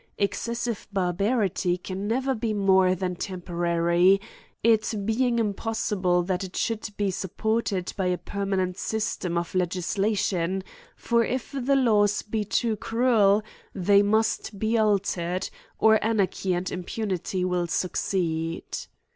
Excessive barbarity can never be more than temporary, it being impossible that it should be supported by a permanent system of legislation ; for if the laws be too cruel, they must be altered, or anarchy and impunity will succeed.